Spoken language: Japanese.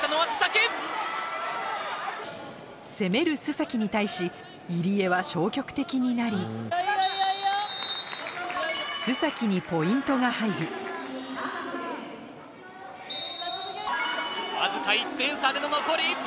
攻める須に対し入江は消極的になり須にポイントが入るわずか１点差での残り１分！